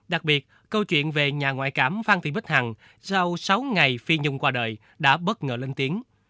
đặc biệt câu chuyện về nhà ngoại cảm phan thị bích hằng sau sáu ngày phi nhung qua đời đã bất ngờ lên tiếng